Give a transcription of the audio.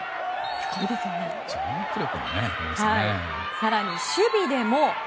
更に、守備でも。